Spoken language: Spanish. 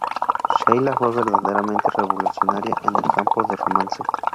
Sheila fue verdaderamente revolucionaria en el campo de romance.